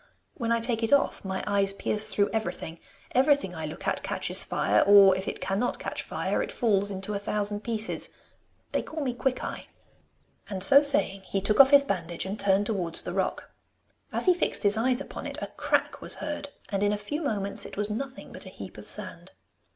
When I take it off my eyes pierce through everything. Everything I look at catches fire, or, if it cannot catch fire, it falls into a thousand pieces. They call me Quickeye.' And so saying he took off his bandage and turned towards the rock. As he fixed his eyes upon it a crack was heard, and in a few moments it was nothing but a heap of sand.